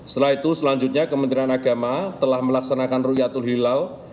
setelah itu selanjutnya kementerian agama telah melaksanakan rukyatul hilal